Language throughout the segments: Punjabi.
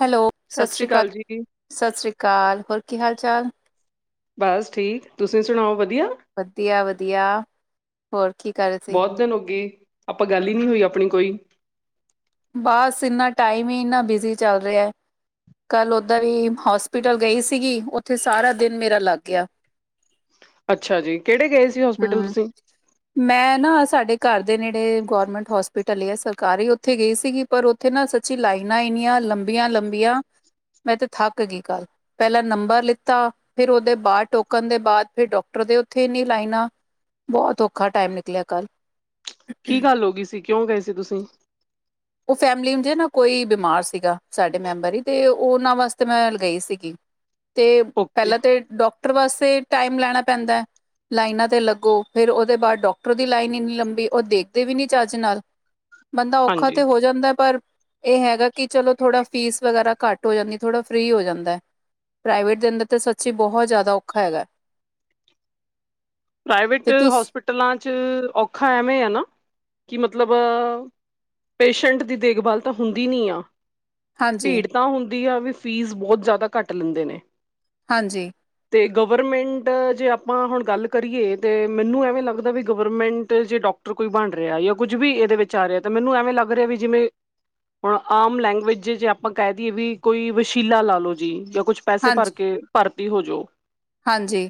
ਹੈਲੋ, ਸਤਿ ਸ਼੍ਰੀ ਅਕਾਲ। ਸਤਿ ਸ਼੍ਰੀ ਅਕਾਲ, ਹੋਰ ਕੀ ਹਾਲ-ਚਾਲ। ਬਸ ਠੀਕ, ਤੁਸੀਂ ਸੁਣਾਓ ਵਧੀਆ। ਵਧੀਆ ਵਧੀਆ। ਹੋਰ ਕੀ ਕਰ ਰੇ ਬੋਤ ਦਿਨ ਹੋਗੇ, ਆਪਾਂ ਗੱਲ ਈ ਨ੍ਹੀਂ ਹੋਈ, ਆਪਣੀ ਕੋਈ। ਬਸ ਇੰਨਾ ਟਾਈਮ ਈ, ਇੰਨਾ ਬਿਜ਼ੀ ਚੱਲ ਰਿਆ। ਕੱਲ ਓਦਾਂ ਵੀ ਹੋਸਪਿਟਲ ਗਈ ਸੀਗੀ, ਉੱਥੇ ਸਾਰਾ ਦਿਨ ਮੇਰਾ ਲੱਗ ਗਿਆ। ਅੱਛਾ ਜੀ, ਕੇੜੇ ਗਏ ਸੀ ਹੋਸਪਿਟਲ ਹੂੰ, ਤੁਸੀਂ। ਮੈਂ ਨਾ ਸਾਡੇ ਘਰ ਦੇ ਨੇੜੇ ਗੌਰਮੈਂਟ ਹੋਸਪੀਟਲ ਈ ਆ ਸਰਕਾਰੀ ਓ ਓਥੇ ਗਈ ਸੀਗੀ, ਪਰ ਓਥੇ ਨਾਂ ਸੱਚੀ ਲਾਈਨਾਂ ਇੰਨੀਆਂ ਲੰਬੀਆਂ-ਲੰਬੀਆਂ ਮੈਂ ਤੇ ਥੱਕ ਗੀ ਕੱਲ। ਪੈਲਾਂ ਨੰਬਰ ਲਿੱਤਾ ਫਿਰ ਓਦੇ ਬਾਅਦ ਟੋਕਣ ਦੇ ਬਾਅਦ ਫਿਰ ਡਾਕਟਰ ਦੇ ਓਥੇ ਇਨ੍ਹੀਂ ਲਾਈਨਾਂ। ਬੋਤ ਔਖਾ ਟਾਈਮ ਨਿਕਲਿਆ ਕੱਲ। ਕੀ ਗੱਲ ਹੋ ਗਈ ਸੀ, ਕਿਉਂ ਗਏ ਸੀ ਤੁਸੀਂ? ਓਹ ਫੈਮਿਲੀ ਚ ਨਾ ਕੋਈ ਬਿਮਾਰ ਸੀਗਾ, ਸਾਡੇ ਮੈਂਬਰ ਈ ਤੇ ਓਨਾਂ ਵਾਸਤੇ ਮੈਂ ਗਈ ਸੀਗੀ। [inaudible] ਤੇ ਓਕੇ, ਪੈਲਾਂ ਤੇ ਡਾਕਟਰ ਵਾਸਤੇ ਟੈਮ ਲੈਣਾ ਪੈਂਦਾ। ਲਾਈਨਾਂ ਤੇ ਲੱਗੋ ਫਿਰ ਓਦੇ ਬਾਅਦ ਡਾਕਟਰ ਦੀ ਲਾਈਨ ਇੰਨੀ ਲੰਬੀ, ਓਹ ਦੇਖਦੇ ਵੀ ਨੀਂ ਚੱਜ ਨਾਲ। ਬੰਦਾ ਔਖਾ ਤੇ ਹਾਂਜੀ। ਹੋ ਜਾਂਦਾ ਪਰ ਇਹ ਹੈਗਾ ਕਿ ਚਲੋ ਥੋੜਾ ਫੀਸ ਵਗੈਰਾ ਘੱਟ ਹੋ ਜਾਂਦੀ ਥੋੜਾ ਫਰੀ ਹੋ ਜਾਂਦੈ। ਪ੍ਰਾਈਵੇਟ ਦੇ ਅੰਦਰ ਦੇ ਸੱਚੀ ਬਹੁਤ ਜ਼ਿਆਦਾ ਔਖਾ ਹੈਗੈ। ਤੇ ਤੁਸ ਪ੍ਰਵੇਟਸਪ ਪਟਲਾਂ ਚ ਔਖਾ ਐਵੇਂ ਹੈ ਨਾ ਕਿ ਮਤਲਬ ਅ ਪੇਸ਼ੈਂਟ ਦੀ ਦੇਖਭਾਲ ਤਾਂ ਹੁੰਦੀ ਨੀ ਆ। ਹਾਂਜੀ ਭੀੜ ਤਾਂ ਹੁੰਦੀ ਆ ਵੀ ਫੀਸ ਬਹੁਤ ਜ਼ਿਆਦਾ ਘੱਟ ਲੈਂਦੇ ਨੇ। ਹਾਂਜੀ। ਤੇ ਗਵਰਮੈਂਟ ਜੇ ਆਪਾਂ ਹੁਣ ਗੱਲ ਕਰੀਏ ਤੇ ਮੈਨੂੰ ਐਵੇਂ ਲੱਗਦਾ ਵੀ ਗਵਰਮੈਂਟ ਜੇ ਡਾਕਟਰ ਕੋਈ ਬਣ ਰਿਹਾ ਜਾਂ ਕੁੱਝ ਵੀ ਇਹਦੇ ਵਿੱਚ ਆ ਰਿਹਾ ਤੇ ਮੈਨੂੰ ਐਵੇਂ ਲੱਗ ਰਿਹਾ ਵੀ ਜਿਵੇਂ ਹੁਣ ਆਮ ਲੈਂਗੁਏਜੇ ਜੇ ਆਪਾਂ ਕਹਿ ਦਈਏ ਵੀ ਕੋਈ ਵਸ਼ੀਲਾ ਲਾ ਲੋ ਜੀ ਜਾਂ ਕੁਛ ਪੈਸੇ ਭਰ ਹਾਂਜੀ ਕੇ ਭਰਤੀ ਹੋਜਓ ਹਾਂਜੀ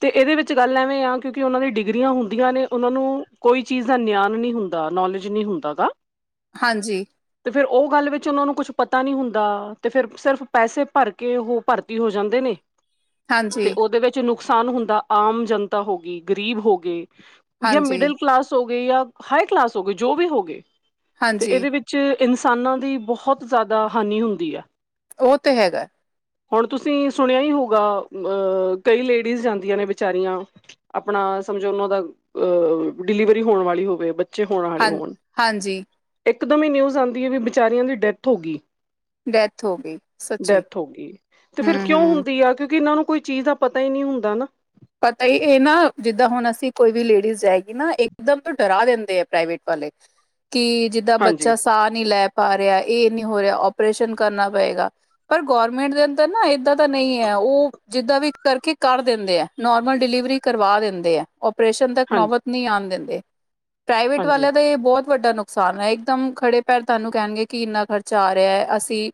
ਤੇ ਇਹਦੇ ਵਿੱਚ ਚ ਗੱਲ ਐਵੇਂ ਆ, ਕਿਉਂਕਿ ਉਹਨਾਂ ਦੀ ਡਿਗਰੀਆਂ ਹੁੰਦੀਆਂ ਨੇ ਉਹ ਨੂੰ ਕੋਈ ਚੀਜ਼ ਦਾ ਨਿਆਨ ਨਹੀਂ ਹੁੰਦਾ ਨੌਲੇਜ ਨਹੀਂ ਹੁੰਦਾ ਔਦਾ। ਹਾਂਜੀ। ਤੇ ਫੇਰ ਉਹ ਗੱਲ ਵਿੱਚ ਉਹਨਾਂ ਨੂੰ ਕੁਛ ਪਤਾ ਨੀ ਹੁੰਦਾ ਤੇ ਫੇਰ ਸਿਰਫ ਪੈਸੇ ਭਰ ਕੇ ਉਹ ਭਰਤੀ ਹੋ ਜਾਂਦੇ ਨੇ। ਤੇ ਹਾਂਜੀ ਉਹਦੇ ਵਿੱਚ ਨੁਕਸਾਨ ਹੁੰਦਾ ਆਮ ਜਨਤਾ ਹੋ ਗਈ, ਗਰੀਬ ਹੋ ਗਏ ਜਾਂ ਹਾਂਜੀ ਮਿਡਲ ਕਲਾਸ ਹੋਗੇ, ਜਾਂ ਹਾਈ ਕਲਾਸ ਹੋਗੇ ਜੋ ਵੀ ਹੋਗੇ ਤੇ ਹਾਂਜੀ ਇਹਦੇ ਵਿੱਚ ਚ ਇਨਸਾਨਾਂ ਦੀ ਬਹੁਤ ਜ਼ਿਆਦਾ ਹਾਨੀ ਹੁੰਦੀ ਹੈ। ਉਹ ਤੇ ਹੈਗੈ। ਹੁਣ ਤੁਸੀਂ ਸੁਣਿਆ ਹੀ ਹੋਊਗਾ ਅ ਕਈ ਲੇਡੀਜ਼ ਜਾਂਦੀਆਂ ਨੇ ਬਚਾਰੀਆਂ ਆਪਣਾ ਸਮਝੋ ਉਹ ਦਾ ਡਿਲੀਵਰੀ ਹੋਣ ਵਾਲੀ ਹੋਵੇ ਬੱਚੇ ਹੋਣ ਵਾਲੇ ਹਾਂ ਹੋਣ ਹਾਂਜੀ ਇੱਕ ਦਮ ਹੀ ਨਿਊਜ਼ ਆਉਂਦੀ ਹੈ ਵੀ ਵਿਚਾਰੀਆਂ ਦੀ ਡੈਥ ਹੋ ਗਈ। ਡੈਥ ਹੋ ਗਈ ਸੱਚੀ ਡੈਥ ਹੋ ਗਈ, ਤੇ ਫਿਰ ਹੂੰ, ਕਿਉਂ ਹੂੰ ਹੁੰਦੀ ਆ ਕਿਉਂਕਿ ਇਹਨਾਂ ਨੂੰ ਕੋਈ ਚੀਜ਼ ਦਾ ਪਤਾ ਹੀ ਨਹੀਂ ਹੁੰਦਾ ਨਾ। ਪਤਾ ਏਹ ਨਾ ਜਿੱਦਾਂ ਹੁਣ ਅਸੀਂ ਕੋਈ ਵੀ ਲੇਡੀਜ਼ ਜਾਏਗੀ ਨਾ ਇਕਦਮ ਡਰਾ ਦਿੰਦੇ ਆ ਪ੍ਰਾਈਵੇਟ ਵਾਲੇ। ਕਿ ਜਿੱਦਾਂ ਹਾਂਜੀ ਬੱਚਾ ਸਾਹ ਨਹੀਂ ਲੈ ਪਾ ਰਿਹਾ। ਇਹ ਨਹੀਂ ਹੋ ਰਿਹਾ ਆਪਓਰੇਸ਼ਨ ਕਰਨਾ ਪਏਗਾ। ਪਰ ਗੌਰਮੈਂਟ ਦੇ ਅੰਦਰ ਨਾ ਏਦਾਂ ਤਾਂ ਨਹੀਂ ਏ। ਉਹ ਜਿੱਦਾਂ ਵੀ ਕਰਕੇ ਕਰ ਦਿੰਦੇ ਐ, ਨੋਰਮਲ ਡਿਲੀਵਰੀ ਕਰਵਾ ਦਿੰਦੇ ਐ। ਓਪਰੇਸ਼ਨ ਤੱਕ ਹਾਂਜੀ ਨੌਬਤ ਨ ਆਣ ਦਿੰਦੇ। ਪ੍ਰਾਈਵੇਟ ਹਾਂਜੀ ਵਾਲਿਆਂ ਦੇ ਬਹੁਤ ਵੱਡਾ ਨੁਕ ਸਾਨ ਐ। ਇੱਕਦਮ ਖੜੇ ਪੈਰ ਤੁਹਾਨੂੰ ਕਹਿਣਗੇ ਕਿ ਇੰਨਾ ਖ਼ਰਚਾ ਆ ਰਿਹਾ ਐ। ਅਸੀਂ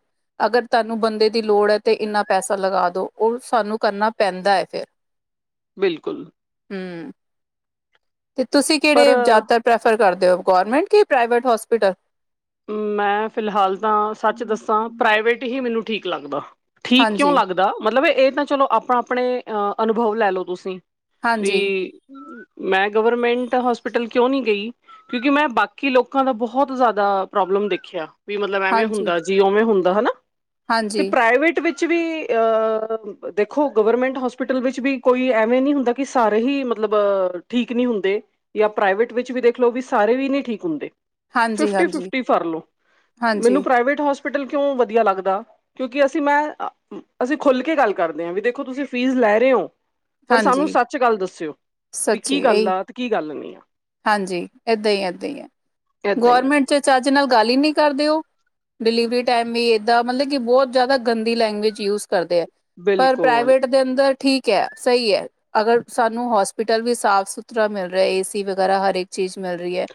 ਅਗਰ ਤੁਹਾਨੂੰ ਬੰਦੇ ਦੀ ਲੋੜ ਹੈ ਤਾਂ ਇੰਨਾ ਪੈਸਾ ਲਗਾ ਦਿਉ ਉਹ ਸਾਨੂੰ ਕਰਨਾ ਪੈਂਦਾ ਹੈ ਫਿਰ। ਬਿਲਕੁਲ। ਹੂੰ ਤੇ ਤੁਸੀਂ ਪਰ ਕਿਹੜੇ ਜ਼ਿਆਦਾਤਰ ਪ੍ਰੈਫਰ ਕਰਦੇ ਹੋ ਗੌਰਮੈਂਟ ਕੇ ਪ੍ਰਾਈਵੇਟ ਹੋਸਪਿਟਲ। ਮੈਂ ਫਿਲਹਾਲ ਤਾਂ ਸੱਚ ਦੱਸਾਂ ਪ੍ਰਾਈਵੇਟ ਹੀ ਮੈਨੂੰ ਠੀਕ ਲੱਗਦਾ। ਠੀਕ ਕਿਉਂ ਹਾਂਜੀ ਲੱਗਦਾ ਦਾ ਮਤਲਬ ਇਹ ਤਾਂ ਚਲੋ ਆਪਣਾ ਆਪਣੇ ਅਹ ਅਨੁਭਵ ਲੈ ਲੋ ਤੁਸੀਂ ਵੀ ਹਾਂਜੀ ਮੈਂ ਗਵਰਮੈਂਟ ਹੋਸਪਿਟਲ ਕਿਉਂ ਨਹੀਂ ਗਈ। ਕਿਉਂਕਿ ਮੈਂ ਬਾਕੀ ਲੋਕਾਂ ਦਾ ਬਹੁਤ ਜ਼ਿਆਦਾ ਪ੍ਰੋਬਲਮ ਦੇਖਿਆ ਵੀ ਮਤਲਬ ਐਵੇਂ ਹਾਂਜੀ ਹੁੰਦਾ ਜੀ ਓਵੇਂ ਹੁੰਦਾ ਹਨਾ ਤੇ ਹਾਂਜੀ ਪ੍ਰਵੇਟ ਵਿੱਚ ਵੀ ਅਹ ਦੇਖੋ ਗਵਰਮੈਂਟ ਹੋਸਪਿਟਲ ਵਿੱਚ ਵੀ ਕੋਈ ਐਵੇਂ ਨਹੀਂ ਹੁੰਦਾ। ਕਿ ਸਾਰੇ ਹੀ ਮਤਲਬ ਠੀਕ ਨਹੀਂ ਹੁੰਦੇ। ਜਾਂ ਪ੍ਰਾਈਵੇਟ ਵਿੱਚ ਵੀ ਦੇਖ ਲਓ ਵੀ ਸਾਰੇ ਵੀ ਨਹੀਂ ਠੀਕ ਹੁੰਦੇ। ਫਿਫਟੀ ਹਾਂਜੀ-ਹਾਂਜੀ। ਫਿਫਟੀ ਮੈਨੂੰ ਪ੍ਰਾਈਵੇਟ ਹੋਸਪਿਟਲ ਕਿਉਂ ਵਧੀਆ ਲੱਗਦਾ ਕਿਉਂਕਿ ਅਸੀਂ ਮੈਂ ਅਸੀਂ ਖੁੱਲ ਕੇ ਗੱਲ ਕਰਦੇ ਆ ਵੀ ਦੇਖੋ ਤੁਸੀਂ ਫ਼ੀਸ ਲੈ ਰਹੇ ੳ ਪਰ ਸਾਨੂੰ ਹਾਂਜੀ ਸੱਚ ਗੱਲ ਦੱਸਿਓ ਵੀ ਕੀ ਸੱਚੀ ਗੱਲ ਇਹੀ ਆ ਤੇ ਕੀ ਗੱਲ ਨੀ ਆ। ਹਾਂਜੀ ਏਦਾਂ ਏਦਾਂ ਹੈ। ਏਦਾਂ ਹੀ ਆ। ਤੇ ਚਜ ਨਾਲ ਗੱਲ ਈ ਨੀ ਕਰਦੇ ਓ। ਡਿਲੀਵਰੀ ਟੈਮ ਵੀ ਏਦਾਂ ਮਲਬ ਕਿ ਬੋਤ ਜੈਦਾ ਗੰਦੀ ਲੈਂਗੁਏਜ ਯੂਜ਼ ਕਰਦੇ ਐ। ਪਰ ਬਿਲਕੁਲ ਪ੍ਰਾਈਵੇਟ ਦੇ ਅੰਦਰ ਠੀਕ ਐ। ਸਈ ਐ। ਅਗਰ ਸਾਨੂੰ ਹੋਸਪੀਟਲ ਵੀ ਸਾਫ਼ ਸੁਥਰਾ ਮਿਲ ਰਿਹਾ ਏਸੀ ਵਗੈਰਾ ਹਰੇਕ ਚੀਜ਼ ਮਿਲ ਰਹੀ ਐ।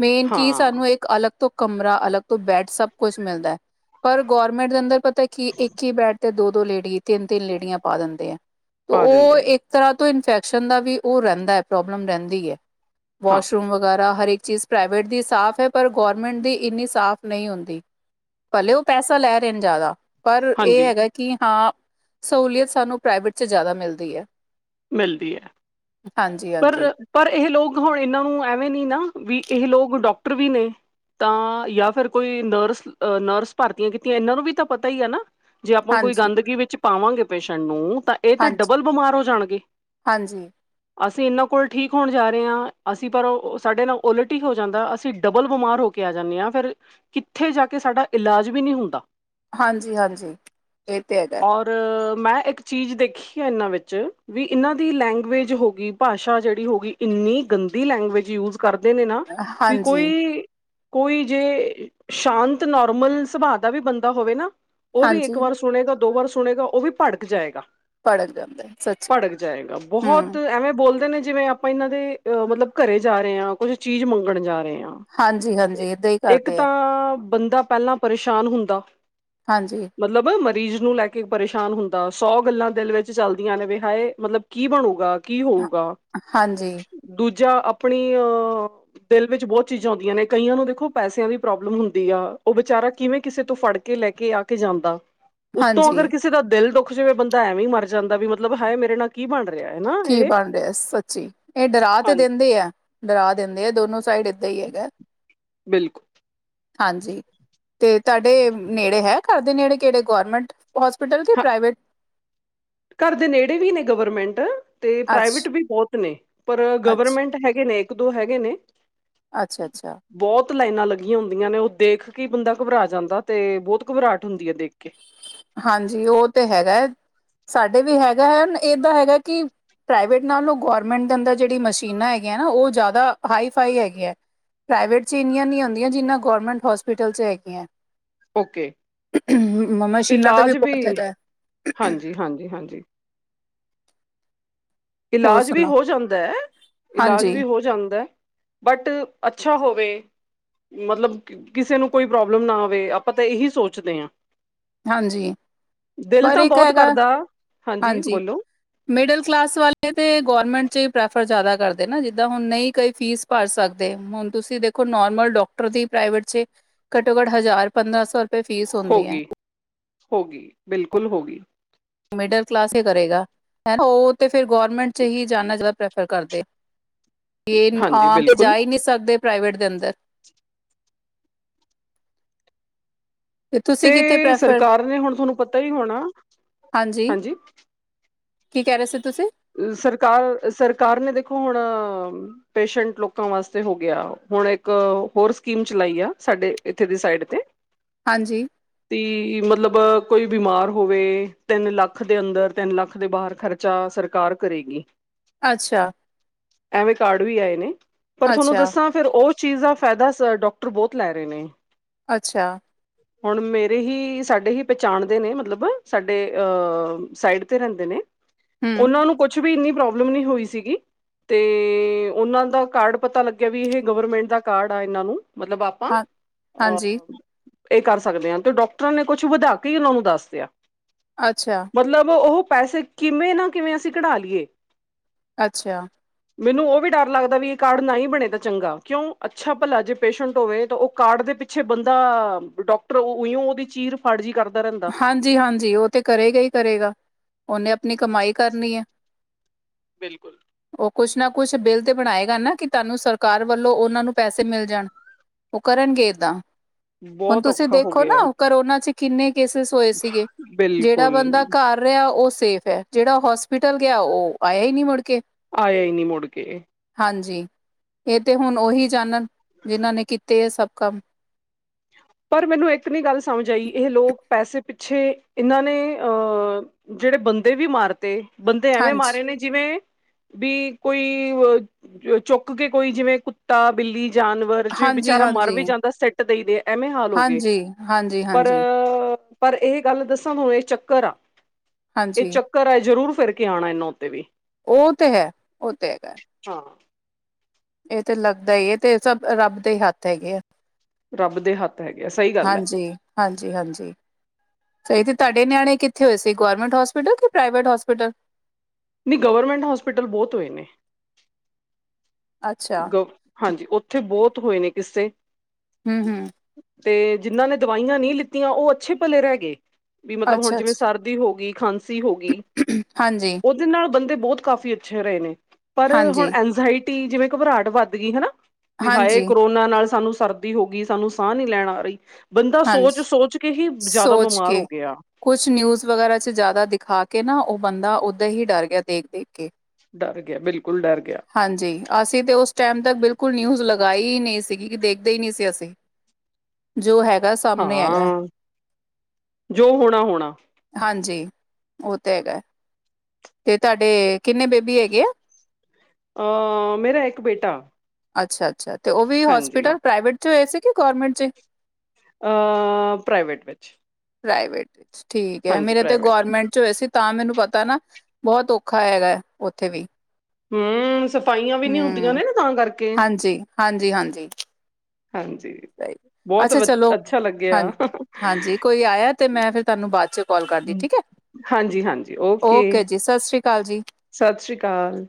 ਮੇਨ ਕੀ ਹਾਂ ਸਾਨੂੰ ਇੱਕ ਅਲੱਗ ਤੋਂ- ਕਮਰਾ ਅਲੱਗ ਤੋਂ ਬੈਡ ਸਭ ਕੁਛ ਮਿਲਦਾ। ਪਰ ਗੌਰਮੈਂਟ ਦੇ ਅੰਦਰ ਪਤਾ ਕੀ ਇੱਕ ਈ ਬੈਡ- ਤੇ ਦੋ-ਦੋ ਲੇਡੀ ਤਿੰਨ- ਤਿੰਨ ਲੇਡੀਆਂ ਪਾ ਦਿੰਦੇ ਆ। ਪਾ ਓਹ ਦਿੰਦੇ ਆ ਇੱਕ ਤਰ੍ਹਾਂ ਤੋਂ ਇਨਫੈਕਸ਼ਨ ਦਾ ਵੀ ਓਹ ਰੈਂਦਾ ਪ੍ਰੋਬਲਮ ਰੈਂਦੀ ਐ। ਹਾਂ ਵਾਸ਼ਰੂਮ ਵਗੈਰਾ ਹਰ ਇੱਕ ਚੀਜ਼ ਪ੍ਰਾਈਵੇਟ ਦੀ ਸਾਫ ਐ ਪਰ ਗੋਰਮੈਂਟ ਦੀ ਇੰਨੀ ਸਾਫ ਨਹੀਂ ਹੁੰਦੀ। ਭਲੇ ਓਹ ਪੈਸਾ ਲੈ ਰ‌ਏ ਨ ਜਾਦਾ। ਪਰ ਏ ਹਾਂਜੀ ਹੈਗਾ ਕੀ ਹਾਂ ਸਹੂਲੀਅਤ ਸਾਨੂੰ ਪ੍ਰਾਈਵੇਟ' ਚ ਜੈਦਾ ਮਿਲਦੀ ਐ। ਮਿਲਦੀ ਐ। ਹਾਂਜੀ। ਪਰ ਪਰ ਏਹ ਲੋਗ ਹੁਣ ਏਨਾਂ ਨੂੰ ਐਵੇਂ ਨੀ ਨਾ ਵੀ ਇਹ ਲੋਗ ਡਾਕਟਰ ਵੀ ਨੇ। ਤਾਂ ਯਾ ਫੇਰ ਕੋਈ ਨਰਸ- ਨਰਸ ਭਰਤੀਆਂ ਕੀਤੀਆਂ ਏਨਾਂ ਨੂੰ ਵੀ ਤਾਂ ਪਤਾ ਈ ਏ ਨਾ। ਜੇ ਆਪਾਂ ਕੋਈ ਹਾਂਜੀ ਗੰਦਗੀ ਵਿੱਚ ਪਾਵਾਂਗੇ ਪੇਸ਼ੈਂਟ ਨੂੰ ਤਾਂ ਏ ਤਾਂ ਹਾਂਜੀ ਡਬਲ ਬਮਾਰ ਹੋ ਜਾਣਗੇ। ਹਾਂਜੀ। ਅਸੀਂ ਏਨਾਂ ਕੋਲ ਠੀਕ ਹੋਣ ਜਾ ਰੇ ਆਂ। ਅਸੀਂ ਪਰ ੳਹ ਸਾਡੇ ਨਾਲ ਉਲਟ ਈ ਹੋ ਜਾਂਦਾ ਅਸੀਂ ਡਬਲ ਬਮਾਰ ਹੋ- ਕੇ ਆ ਜਾਂਨੇ ਆਂ ਫੇਰ ਕਿੱਥੇ ਜਾ ਕੇ ਸਾਡਾ ਇਲਾਜ ਵੀ ਨੀ ਹੁੰਦਾ। ਹਾਂਜੀ ਹਾਂਜੀ ਏ ਤੇ ਹੈਗਾ। ਔਰ ਮੈਂ ਏਕ ਚੀਜ਼ ਦੇਖੀ ਆ ਏਨਾਂ ਵਿੱਚ ਵੀ ਇਨਾਂ ਦੀ ਲੈਂਗੁਏਜ ਹੋ ਗ- ਗੀ ਭਾਸ਼ਾ ਜੇੜੀ ਹੋਗੀ ਇੰਨੀ ਗੰਦੀ ਲੈਂਗੁਏਜ ਯੂਜ ਕਰਦੇ ਨੇ ਨਾ ਵੀ ਹਾਂਜੀ ਕੋਈ- ਕੋਈ ਜੇ ਸ਼ਾਂਤ ਨੋਰਮਲ ਸੁਭਾ ਦਾ ਵੀ ਬੰਦਾ ਹੋਵੇ ਨਾ- ਓਹ ਵੀ ਇੱਕ ਹਾਂਜੀ ਵਾਰ ਸੁਣੇਗਾ ਦੋ ਵਾਰ ਸੁਣੇਗਾ ਓਹ ਵੀ ਭੜਕ ਜਾਏਗਾ। ਭੜਕ ਜਾਂਦਾ ਹੈ ਸੱਚੀ ਭੜਕ ਜਾਏਗਾ ਬੋਹਤ- ਹੂੰ ਐਵੇਂ ਬੋਲਦੇ ਨੇ ਜਿਵੇਂ ਆਪਾਂ ਏਨਾਂ ਦੇ ਅ ਮਲਬ ਘਰੇ ਜਾ ਰੇ ਆਂ ਕੁੱਝ ਚੀਜ਼ ਮੰਗਣ ਜਾ ਰੇ ਆਂ। ਹਾਂਜੀ ਹਾਂਜੀ ਏਦਾਂ ਹੀ ਇੱਕ ਕਰਦੇ ਆ ਤਾਂ ਬੰਦਾ ਪਹਿਲਾਂ ਪਰੇਸ਼ਾਨ ਹੁੰਦਾ। ਹਾਂਜੀ ਮਲਬ ਮਰੀਜ਼ ਨੂੰ ਲੈ ਕੇ ਪਰੇਸ਼ਾਨ ਹੁੰਦਾ ਸੌ ਗੱਲਾਂ ਦਿਲ ਵਿੱਚ ਚੱਲਦੀਆਂ ਨੇ ਵੀ ਹਾਏ ਮਲਬ ਕੀ ਬਣੂਗਾ। ਕੀ ਹਾਂ, ਹੋਊਗਾ। ਹਾਂਜੀ। ਦੂਜਾ ਅਪਣੀ ਅ- ਦਿਲ ਵਿੱਚ ਬੋਤ ਚੀਜ਼ਾਂ ਆਦੀਆਂ ਨੇ ਕਈਆਂ ਨੂੰ ਦੇਖੋ ਪੈਸਿਆਂ ਦੀ ਪ੍ਰੋਬਲਮ ਹੁੰਦੀ ਆ ਓਹ ਵਿਚਾਰਾ ਕਿਵੇਂ ਕਿਸੇ ਤੋਂ ਫੜ ਕੇ- ਕੇ ਲੈ ਕੇ ਆ ਕੇ ਜਾਂਦਾ। ਉਤੋਂ ਹਾਂਜੀ ਅਗਰ ਕਿਸੇ ਦਾ ਦਿਲ ਦੁੱਖ ਜਵੇ ਬੰਦਾ ਐਵੇਂ ਈ ਮਰ ਜਾਂਦਾ ਵੀ ਮਤਲਬ ਹਾਏ ਮੇਰੇ ਨਾਲ ਕੀ ਬਣ ਰਿਆ। ਕੀ ਬਣ ਰਿਆ ਸੱਚੀ ਇਹ ਡਰਾ ਤੇ ਹਾਂਜੀ ਦੇਂਦੇ ਆ। ਡਰਾ ਦੇਂਦੇ ਆ ਦੋਨੋ ਸਾਈਡ ਏਦਾਂ ਈ ਹੈਗਾ। ਬਿਲਕੁਲ ਹਾਂਜੀ ਤੇ ਤਾਡੇ ਨੇੜੇ ਹੈ ਘਰਦੇ ਨੇੜੇ ਕੇੜੇ ਗੌਰਮੈਂਟ- ਹੋਸਪਿਟਲ ਕੇ ਹਾਂ ਪ੍ਰਾਈਵੇਟ- ਘਰ ਦੇ ਨੇੜੇ ਵੀ ਨੇ ਗਵਰਮੈਂਟ ਤੇ ਅੱਛ ਪ੍ਰਾਈਵੇਟ ਵੀ ਬੋਤ ਨੇ ਪਰ ਅੱਛ ਗਵਰਮੈਂਟ ਹੈਗੇ ਨੇ। ਇੱਕ ਦੋ ਹੈਗੇ ਨੇ। ਅੱਛਾ- ਅੱਛਾ- ਅੱਛਾ ਬੋਤ ਲਾਈਨਾਂ ਲੱਗੀਆਂ ਹੁੰਦੀਆਂ ਨੇ। ਉਹ ਦੇਖ ਕੇ ਈ ਬੰਦਾ ਘਬਰਾ ਜਾਂਦਾ। ਤੇ ਬਹੁਤ ਘਬਰਾਹਟ ਹੁੰਦੀ ਏ ਦੇਖ ਕੇ। ਹਾਂਜੀ ਉਹ ਤੇ ਹੈਗਾ। ਸਾਡੇ ਵੀ ਹੈਗਾ ਏ, ਐਦਾਂ ਹੈਗਾ ਕੀ- ਪ੍ਰਾਈਵੇਟ ਨਾਲੋਂ ਗੋਰਮੈਂਟ ਦੇ ਅੰਦਰ ਜੇੜੀਆਂ ਮਸ਼ੀਨਾਂ ਹੈਗੀਆਂ ਨਾ, ਉਹ ਜਾਦਾ ਹਾਈ ਫਾਈ ਹੈਗੀਆਂ। ਪ੍ਰਾਈਵੇਟ 'ਚ ਇੰਨੀਆਂ ਨੀ ਹੁੰਦੀਆਂ, ਜਿੰਨ੍ਹਾਂ ਗੌਰਮੈਂਟ ਹੋਸਪਿਟਲ 'ਚ ਹੈਗੀਆਂ। ਓਕੇ- ਮਸ਼ੀਨਾਂ ਦਾ ਇਲਾਜ ਬਹੁਤ ਵੀ- ਹੈਗਾ ਹਾਂਜੀ- ਹਾਂਜੀ- ਹਾਂਜੀ। ਹੋਰ ਇਲਾਜ ਵੀ ਸੁਣਾ ਹੋ ਜਾਂਦਾ ਹੈ। ਇਲਾਜ ਵੀ ਹੋ ਜਾਂਦਾ। ਬਟ, ਅੱਛਾ ਹੋਵੇ। ਮਤਲਬ ਕਿਸੇ ਨੂੰ ਕੋਈ ਪ੍ਰੋਬਲਮ ਨਾ ਆਵੇ। ਆਪਾਂ ਤਾਂ ਇਹੀ ਸੋਚਦੇ ਆਂ। ਹਾਂਜੀ-ਹਾਂਜੀ ਦਿਲ ਪਰ ਤਾਂ ਇੱਕ ਬੋਤ ਹੈਗਾ ਕਰਦਾ, ਹਾਂਜੀ ਬੋਲੋ- ਮਿਡਲ ਕਲਾਸ ਵਾਲੇ ਤੇ ਗੌਰਰਮੈਂਟ 'ਚ ਹੀ ਪ੍ਰੈਫਰ ਜ਼ਿਆਦਾ ਕਰਦੇ ਨਾ, ਜਿੱਦਾਂ ਹੁਣ ਨਹੀਂ ਕਈ ਫੀਸ- ਭਰ ਸਕਦੇ, ਹੁਣ ਤੁਸੀਂ ਦੇਖੋ ਨੋਰਮਲ ਡੋਕਟਰ ਦੀ ਪ੍ਰਾਈਵੇਟ 'ਚ- ਘੱਟੋ- ਘੱਟ ਹਜ਼ਾਰ ਪੰਦਰਾਂ ਸੌ- ਰੁਪਏ ਫੀਸ ਹੋ ਹੁੰਦੀ ਹੈ ਗਈ, ਹੋ ਗਈ, ਬਿਲਕੁਲ ਹੋ ਗਈ- ਮਿਡਲ ਕਲਾਸ ਕਿਆ ਕਰੇਗਾ- ਉਹ ਤੇ ਫੇਰ ਗਰਮੈਂਟ 'ਚ ਹੀ ਜਾਣਾ ਜਾਦਾ ਪ੍ਰੈਫਰ ਕਰਦੇ- ਇਹ ਹਾਂਜੀ ਆਮ ਤੇ ਜਾ ਬਿਲਕੁਲ ਹੀ ਨਹੀਂ ਸਕਦੇ ਪ੍ਰਾਈਵੇਟ ਦੇ ਅੰਦਰ- ਤੇ ਤੁਸੀਂ ਕਿੱਥੇ ਤੇ ਪ੍ਰੈਫਰ ਸਰਕਾਰ ਨੇ ਹੁਣ ਤੁਹਾਨੂੰ ਪਤਾ ਹੀ ਹੋਣਾ, ਹਾਂਜੀ- ਕੀ ਕਹਿ ਰਹੇ ਸੀ ਤੁਸੀਂ- ਸਰਕਾਰ, ਸਰਕਾਰ ਨੇ ਦੇਖੋ ਹੁਣ- ਪੇਸ਼ੰਟ ਲੋਕਾਂ ਵਾਸਤੇ ਹੋ ਗਿਆ ਹੁਣ ਇੱਕ ਹੋਰ ਸਕੀਮ ਚਲਾਈ ਆ, ਸਾਡੇ ਇੱਥੇ ਦੀ ਸਾਈਡ ਤੇ- [inaudible] ਹਾਂਜੀ- ਤੀ ਮਤਲਬ ਕੋਈ ਬਿਮਾਰ ਹੋਵੇ, ਤਿੰਨ ਲੱਖ ਦੇ ਅੰਦਰ, ਤਿੰਨ ਲੱਖ ਦੇ ਬਾਹਰ ਖਰ- ਚਾ ਸਰਕਾਰ ਕਰੇਗੀ- ਅੱਛਾ- ਐਵੇਂ ਕਾਰਡ ਵੀ ਆਏ ਨੇ, ਪਰ ਤੁਹਾਨੂੰ ਅੱਛਾ ਦੱਸਾਂ- ਫੇਰ ਉਹ ਚੀਜ਼ ਦਾ ਫੈਦਾ ਡੋਕਟਰ ਬਹੁਤ ਲੈ ਰਹੇ ਨੇ- ਅੱਛਾ- [inaudible] ਹੁਣ ਮੇਰੇ ਹੀ ਸਾਡੇ ਹੀ ਪਹਿਚਾਣਦੇ ਨੇ ਮਤਲਬ ਸਾਡੇ ਅਹ, ਸਾਈਡ ਤੇ ਰੈਂਦੇ ਨੇ- ਹੂੰ ਉਹਨਾਂ ਨੂੰ ਕੁਛ ਵੀ ਇੰਨੀ ਪ੍ਰੋਬਲਮ ਨਹੀਂ ਹੋਈ ਸੀਗੀ- ਤੇ, ਉਹਨਾਂ ਦਾ ਕਾਰਡ ਪਤਾ ਲੱਗਿਆ ਵੀ ਇਹ ਗਵਰਮੈਂਟ ਦਾ ਕਾਰਡ ਆ ਇਹਨਾਂ ਨੂੰ, ਮਤਲਬ ਅਪ- ਆਪਾਂ, ਹਾਂ ਆ ਹਾਂਜੀ ਇਹ ਕਰ ਸਕਦੇ ਹਾਂ ਤੇ ਡਾਕਟਰਾਂ ਨੇ ਕੁਛ ਵਧਾ ਕੇ ਉਹਨਾਂ ਨੂੰ ਦੱਸਦਿਆ- ਅੱਛਾ- ਮਤਲਬ ਉਹ ਪੈਸੇ ਕਿਵੇਂ ਨਾ ਕਿਵੇਂ ਅਸੀਂ ਕਡਾ ਲਈਏ- ਅੱਛਾ- ਮੈਨੂੰ ਉਹ ਵੀ ਡਰ ਲੱਗਦਾ ਵੀ ਇਹ ਕਾਰਡ ਨਾ ਹੀ ਬਣੇ ਤਾਂ ਚੰਗਾ, ਕਿਉਂ ਅੱਛਾ ਭਲਾ ਜੇ ਪੇਸ਼ੰਟ ਹੋਵੇ ਤਾਂ ਉਹ- ਕਾਰਡ ਦੇ ਪਿੱਛੇ ਬੰਦਾ ਡੋਕਟਰ ਉਂ ਉਹਦੀ ਚੀਰ ਫਾੜਜੀ ਕਰਦਾ ਰਹਿੰ- ਹਾਂਜੀ- ਹਾਂਜੀ ਉਹ ਤੇ ਕਰੇਗਾ ਹੀ ਕਰੇਗਾ, ਉਹਨੇ ਆਪਣੀ ਕਮਾਈ ਕਰਨੀ ਏ- ਬਿਲਕੁਲ- ਉਹ ਕੁਛ ਨਾ ਕੁਛ ਬਿੱਲ ਤੇ ਬਣਾਏਗਾ ਨਾ ਕਿ ਤੁਹਾਨੂੰ ਸਰਕਾਰ ਵੱਲੋਂ ਉਹਨਾਂ ਨੂੰ ਪੈਸੇ ਮਿਲ ਜਾਣ- ਉਹ ਕਰਨਗੇ ਐਦਾਂ, ਹੁਣ ਬਹੁਤ ਤੁਸੀਂ ਔਖਾ ਹੋ ਦੇਖੋ ਨਾ ਗਿਆ ਕਰੋਨਾ 'ਚ ਕਿੰਨੇ ਕੇਸਿਸ- ਹੋਏ ਸੀਗੇ, ਜੇੜਾ ਬਿਲਕੁਲ ਬੰਦਾ ਘਰ ਰਿਹਾ ਉਹ ਸੇਫ ਹੈ, ਜਿਹੜਾ ਹੋਸਪਿਟਲ ਗਿਆ, ਉਹ ਆਇਆ ਹੀ ਨਹੀਂੀ ਮੁੜ ਕੇ ਆਇਆ ਨਈ ਮੁੜ ਕੇ ਹਾਂਜੀ, ਇਹ ਤਾਂ ਹੁਣ ਉਹੀ ਜਾਣਨ, ਜਿਹਨਾਂ ਨੇ ਕੀਤੇ ਹੈ ਸਭ ਕੰਮ ਪਰ ਮੈਨੂੰ ਇੱਕ ਨ ਗੱਲ ਸਮਝ ਆਈ, ਇਹ ਲੋਕ ਪੈਸੇ ਪਿੱਛੇ, ਇਹਨਾਂ ਨੇ ਅਹ ਜਿਹੜੇ ਬੰਦੇ ਵੀ ਮਾਰ ਦੇ, ਬੰਦੇ ਐਵੇਂ ਹਾਂਜੀ। ਮਾਰੇ ਨੇ ਜਿਵੇਂ ਵੀ, ਕੋਈ ਅ ਚੁੱਕ ਕੇ ਕੋਈ ਜਿਵੇਂ ਕੁੱਤਾ, ਬਿੱਲੀ, ਜਾਨ ਜੇ ਹਾਂਜੀ, ਵਿਚਾਰਾ ਮਰ ਹਾਂਜੀ, ਵੀ ਜਾਂਦਾ, ਸਿੱਟ ਦੇਈ ਦੇ, ਐਵੇਂ ਹਾਲ ਹੋ ਗਏ ਹਾਂਜੀ, ਹਾਂਜੀ, ਪਰ ਹਾਂਜੀ, ਪਰ ਇਹ ਗੱਲ ਦੱਸਾ, ਇਹ ਚੱਕਰ ਆ ਇਹ ਹਾਂਜੀ। ਚ ਘਰੇ ਜ਼ਰੂਰ ਫਿਰ ਕੇ ਆਉਣਾ, ਇਹਨਾ ਉੱਤੇ ਵੀ ਉਹ ਤੇ ਹੈ, ਉਹ ਤੇ ਹੈਗਾ ਹਾਂ ਏ ਤੇ ਲੱਗਦਾ ਏ -ਏ ਸਭ ਰੱਬ ਦੇ, ਹੀ ਹੱਥ ਹੈਗੇ ਆ ਰੱਬ ਦੇ ਹੱਥ ਹੈਗੇ ਆ, ਸਹੀ ਗੱਲ ਹੈ ਹਾਂਜੀ, ਹਾਂਜੀ- ਹਾਂਜੀ ਸਹੀ ਤੇ ਤੁਡੇ ਨਿਆਣੇ ਕਿੱਥੇ ਹੋਏ ਸੀ। ਗੌਰਰਮੈਂਟ ਹੋਸਪਿਟਲ ਕਿ, ਪ੍ਰਾਈਵੇਟ ਹੋਸਪਿਟਲ ਨਹੀਂ, ਗਵਰਮੈਂਟ ਹੋਸਪੀਟਲ, ਬਹੁਤ ਹੋਏ ਨੇ ਅੱਛਾ। ਹਾਂਜੀ, ਉੱਥੇ ਬਹੁਤ ਹੋਏ ਨੇ ਕਿਸੇ। ਹਮ, ਹਮ ਤੇ ਜਿੰਨਾਂ ਨੇ, ਦਵਾਈਆਂ ਨਹੀਂ ਲਿੱਤੀਆਂ, ਉਹ ਅੱਛੇ ਭਲੇ ਰਹਿ ਗਏ, ਵੀ ਮਤਲਬ ਹੁਣ ਅੱਛਾ, ਜਿਵੇਂ ਅੱਛਾ, ਸਰ ਹੋ ਗਈ, ਖਾਂਸੀ ਹੋ ਗਈ, ਹਾਂਜੀ, ਉਹਦੇ ਨਾਲ ਬੰਦੇ ਬਹੁਤ ਕਾਫੀ ਅੱਛੇ ਰਹੇ ਨੇ। ਪਰ ਹੁਣ ਹਾਂਜੀ, ਐਨਜਾਇਟੀ, ਜਿਵੇਂ ਘਬਰਾਹਟ ਵੱਧ ਗਈ, ਹਨਾ ਵੀ ਹਾਏ ਹਾਂਜੀ, ਕਰੋਨਾ ਉਨ੍ਹਾਂ ਨਾਲ ਸਾਨੂੰ ਸਰਦੀ ਹੋ ਗਈ, ਸਾਨੂੰ ਸਾਹ ਨੀ ਲੈਣ ਆ ਰਹੀ ਬੰਦਾ ਸੋਚ- ਹਾਂਜੀ। ਸੋਚ ਕੇ ਹੀ ਜ਼ਿਆਦਾ ਸੋਚ ਬਿਮਾਰ ਹੋ ਕੇ ਗਿਆ ਕੁਛ ਨਿਊਜ਼ ਵਗੈਰਾ, ਚ ਜ਼ਿਆਦਾ ਦਿਖਾ ਕੇ ਨਾ, ਉਹ ਬੰਦਾ ਉਦਾ ਹੀ ਡਰ ਗਿਆ ਦੇਖ- ਦੇਖ ਕੇ ਡਰ ਗਿਆ, ਬਿਲਕੁਲ ਡਰ ਗਿਆ। ਹਾਂਜੀ, ਅਸੀਂ ਤਾਂ ਉਸ ਟਾਈਮ ਤੱਕ ਬਿਲਕੁਲ, ਨਿਊਜ਼ ਲਗਾਈ ਹੀ ਨਹੀਂ ਸੀਗੀ ਕਿ, ਦੇਖਦੇ ਹੀ ਨਈ ਸੀ ਅਸੀਂ ਜੋ ਹੈਗਾ, ਸਾਮਣੇ ਹੈਗਾ। ਹਾਂ ਜੋ ਹੋਣਾ-ਹੋਣਾ। ਹਾਂਜੀ, ਉਹ ਤਾਂ ਹੈਗਾ। ਤੇ ਤੁਹਾਡੇ, ਕਿੰਨੇ ਬੇਬੀ ਹੈਗੇ ਆ? ਅ ਮੇਰਾ, ਇੱਕ ਬੇਟਾ। ਅੱਛਾ-ਅੱਛਾ ਤੇ ਉਹ ਵੀ ਹਾਂਜੀ ਹੋਸਪੀਟਲ ਪ੍ਰਾਈਵੇਟ ਚ, ਹੋਏ ਸੀ ਕਿ, ਗੌਰਮੈਂਟ ਚ' ਅ, ਪ੍ਰਾਈਵੇਟ ਵਿੱਚ। ਪ੍ਰਾਈਵੇਟ ਠੀਕ ਏ, ਹਾਂਜੀ ਮੇਰੇ ਤੇ ਪ੍ਰਾਈਵੇਟ ਗੌਰਮੈਂਟ ਚ ਹੋਏ ਸੀ। ਤਾਂ ਮੈਨੂੰ ਪਤਾ ਨਾ, ਬਹੁਤ ਔਖਾ ਹੈਗਾ ਉੱਥੇ ਵੀ ਹਮ ਸਫਾਈਆਂ ਵੀ ਨੀ ਹੁੰਦੀਆਂ ਹਮ ਨੇ, ਨਾ ਤਾਂ ਕਰਕੇ ਹਾਂਜੀ ਹਾਂਜੀ ਹਾਂਜੀ ਹਾਂਜੀ, ਸਹੀ ਬਹੁਤ ਅੱਛਾ ਵ ਚਲੋ ਅੱਛਾ ਹਾਂ ਲੱਗਿਆ ਹਾਂਜੀ, ਕੋਈ ਆਇਆ ਤੇ, ਮੈਂ ਫਿਰ ਤੁਹਾਨੂੰ ਬਾਅਦ ਚ' ਕੋਲ ਕਰਦੀ ਠੀਕ ਹੈ, ਹਾਂਜੀ ਹਾਂਜੀ ਓਕੇ ਜੀ, ਸਤਿ ਸ੍ਰੀ ਅਕਾਲ ਜੀ। ਸਤਿ ਸ੍ਰੀ ਅਕਾਲ।